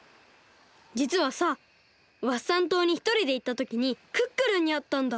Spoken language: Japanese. じつはさワッサン島にひとりでいったときにクックルンにあったんだ！